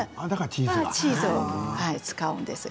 チーズを使うんです。